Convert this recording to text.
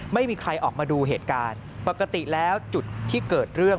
ไม่มีใครออกมาดูเหตุการณ์ปกติแล้วจุดที่เกิดเรื่อง